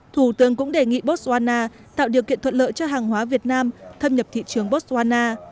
thủ tướng cũng đề nghị botswana tạo điều kiện thuận lợi cho hàng hóa việt nam thâm nhập thị trường botswana